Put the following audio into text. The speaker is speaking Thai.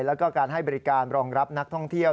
แล้วก็การให้บริการรองรับนักท่องเที่ยว